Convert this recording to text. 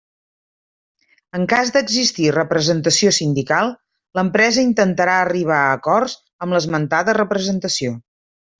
En cas d'existir representació sindical, l'empresa intentarà arribar a acords amb l'esmentada representació.